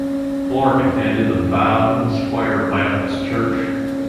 Clark attended the Bowdoin Square Baptist Church.